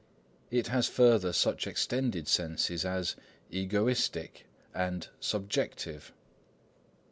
It has further such extended senses as "egoistic" and "subjective."